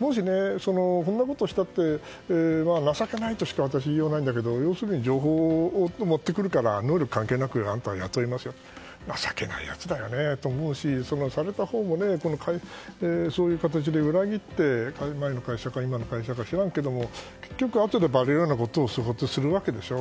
もし、こんなことをしたって情けないとしか私には言いようがないんだけど要するに情報を持ってくれば能力関係なく雇いますよって情けないやつだよねと思うしされたほうもそういう形で裏切って前の会社か今の会社か知らんけど、結局あとでばれるようなことをするわけでしょ。